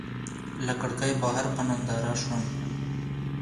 له کړکۍ بهر په ننداره شوم.